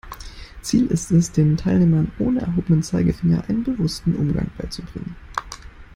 Ziel ist es, den Teilnehmern ohne erhobenen Zeigefinger einen bewussteren Umgang beizubringen.